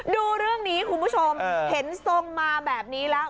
ดูเรื่องนี้คุณผู้ชมเห็นทรงมาแบบนี้แล้ว